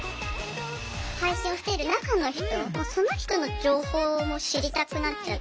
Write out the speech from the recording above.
配信をしている中の人その人の情報も知りたくなっちゃって。